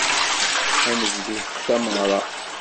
Ad d-nebdut tameɣra.